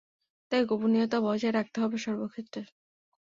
তাই, গোপনীয়তা বজায় রাখতে হবে সর্বক্ষেত্রে!